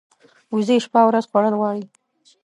وزې شپه او ورځ خوړل غواړي